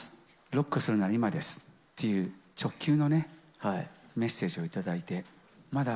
ロックするなら今ですっていう直球のね、メッセージを頂きました。